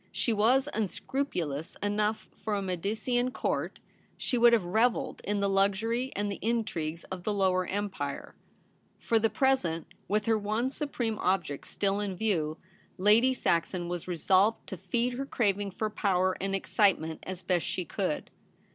She was unscrupulous enough for a Medicean Court; she would have revelled in the luxury and the intrigues of the Lower Empire. For the present, with her one supreme object still in view, Lady Saxon was resolved 250 THE REBEL ROSE. to feed her craving for power and excitement as best she could.